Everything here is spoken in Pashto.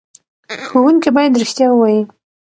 ښوونکي باید رښتیا ووايي.